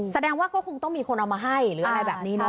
แสดงว่าก็คงต้องมีคนเอามาให้หรืออะไรแบบนี้เนาะ